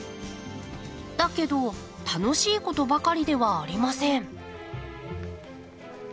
だけど楽しいことばかりではありません。